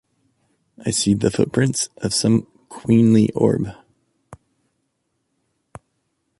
I see the footprints of some queenly orb.